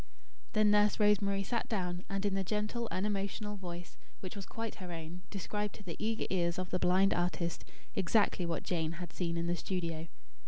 Then Nurse Rosemary sat down; and, in the gentle, unemotional voice, which was quite her own, described to the eager ears of the blind artist, exactly what Jane had seen in the studio.